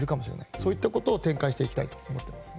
そういったことを展開していきたいと思います。